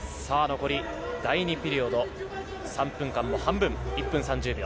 残り第２ピリオド、３分間の半分１分３０秒。